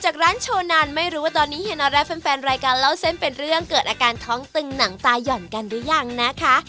จากร้านโชนันไม่รู้ว่าตอนนี้เฮียน็อตและแฟนรายการเล่าเส้นเป็นเรื่องเกิดอาการท้องตึงหนังตาย่อนกันหรือยังนะคะ